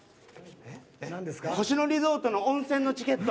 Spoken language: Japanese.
星野リゾートの温泉のチケット。